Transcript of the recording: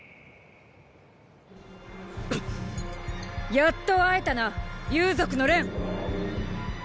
やっと会えたな幽族の連！！